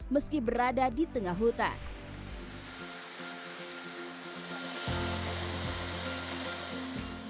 meski berada di tengah hutan